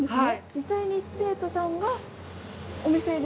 実際に生徒さんがお店で。